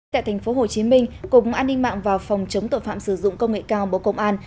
tại tp hcm cục an ninh mạng và phòng chống tội phạm sử dụng công nghệ cao bộ công an